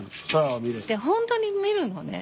本当に見るのね。